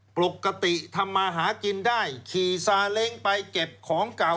ปกติทำมาหากินได้ขี่ซาเล้งไปเก็บของเก่า